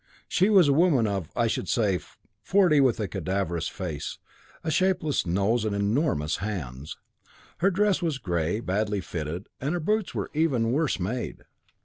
She was a woman of, I should say, forty, with a cadaverous face, a shapeless nose, and enormous hands. Her dress was grey, badly fitted, and her boots were even worse made.